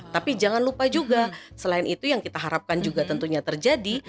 tapi jangan lupa juga selain itu yang kita harapkan juga tentunya terjadi